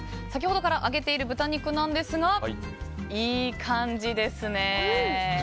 先ほどから揚げている豚肉ですがいい感じですね。